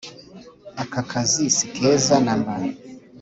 Akakazi si keza namba